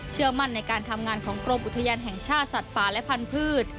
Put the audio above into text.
เชื่อมั่นในการทำงานของกรมอุทยานแห่งชาติสัตว์ป่าและพันธุ์